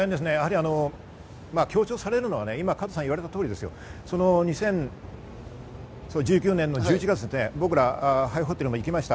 やはり強調されるのは今、加藤さんが言われた通り、２０１９年１１月、僕らホテルまで行きました。